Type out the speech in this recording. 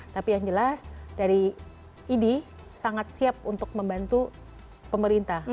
tapi yang jelas dari idi sangat siap untuk membantu pemerintah